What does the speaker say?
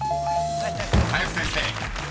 ［林先生］